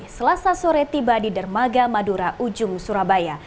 selasa sore tiba di dermaga madura ujung surabaya